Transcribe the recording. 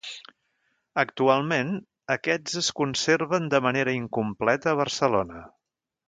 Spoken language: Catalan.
Actualment, aquests es conserven de manera incompleta a Barcelona.